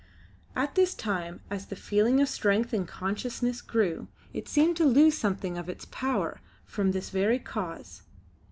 At this time, as the feeling of strength and consciousness grew, it seemed to lose something of its power from this very cause.